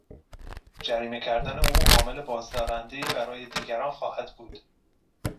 جریمه کردن او عامل بازدارندهای برای دیگران خواهد بود.